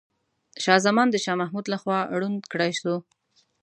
شاه زمان د شاه محمود لخوا ړوند کړاي سو.